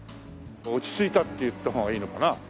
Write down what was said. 落ち着いたって言った方がいいのかな？